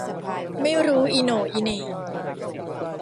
ไม่รู้อีโหน่อีเหน่